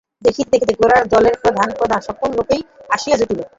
দেখিতে দেখিতে গোরার দলের প্রধান প্রধান সকল লোকই আসিয়া জুটিল।